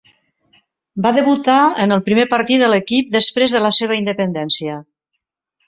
Va debutar en el primer partir de l'equip després de la seva independència.